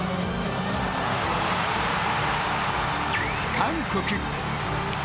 韓国。